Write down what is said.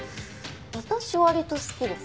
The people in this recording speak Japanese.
私割と好きです。